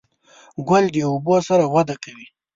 ګل د اوبو سره وده کوي.